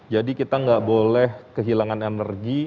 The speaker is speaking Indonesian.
jadi kita enggak boleh kehilangan energi